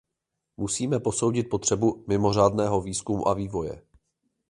Musíme posoudit potřebu mimořádného výzkumu a vývoje.